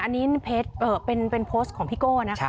อารมณ์ไม่ดีเพราะว่าอะไรฮะ